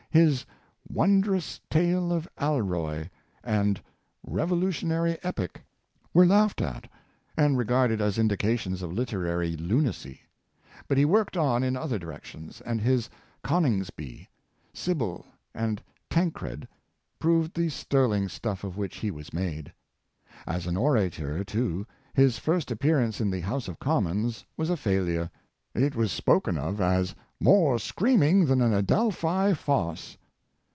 His " Wondrous Tale of Alroy " and 188 Mr. D Israeli, *' Revolutionary Epic " were laughed at, and regarded as indications of literary lunacy. But he worked on in other directions, and his " Coningsby," "Sybil," and " Tancred," proved the sterling stuff of which he was made. As an orator, too, his first appearance in the House of Commons was a failure. It was spoken of as " more screaming than an Adelphi farce."